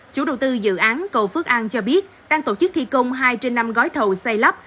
chủ đầu tư dự án cầu phước an cho biết đang tổ chức thi công hai trên năm gói thầu xây lắp